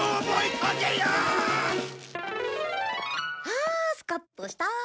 はあスカッとした。